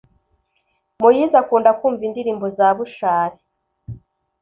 moyize akunda kumva indirimmbo za bushali